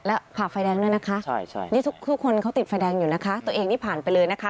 แล้วผ่าไฟแดงด้วยนะคะนี่ทุกคนเขาติดไฟแดงอยู่นะคะตัวเองนี่ผ่านไปเลยนะคะ